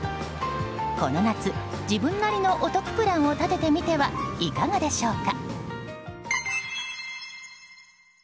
この夏、自分なりのお得プランを立ててみてはいかがでしょうか？